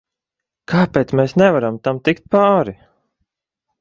Kāpēc mēs nevaram tam tikt pāri?